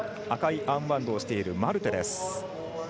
赤いアームバンドをしているマルテです。